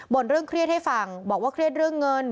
เรื่องเครียดให้ฟังบอกว่าเครียดเรื่องเงิน